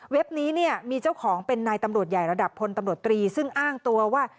นี้เนี่ยมีเจ้าของเป็นนายตำรวจใหญ่ระดับพลตำรวจตรีซึ่งอ้างตัวว่า